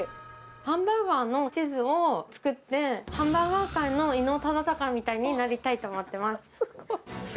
ハンバーガーの地図を作って、ハンバーガー界の伊能忠敬みたいになりたいと思ってます。